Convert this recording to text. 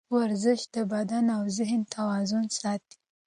ورزش د بدن او ذهن توازن ساتي.